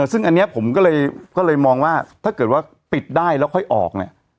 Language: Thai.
ซึ่งอันนี้ผมก็เลยมองว่าถ้าเกิดว่าปิดได้แล้วค่อยออกเนี่ย